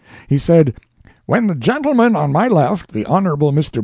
He said: "When the gentleman on my left, the Hon. Mr.